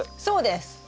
そうです！